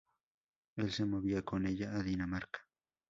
Él se movió con ella a Dinamarca.